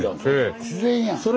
自然やん。